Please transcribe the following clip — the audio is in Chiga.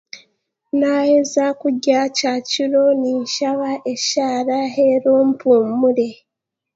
Naaheza kurya kyakiro ninshaba eshaara reero mpumure.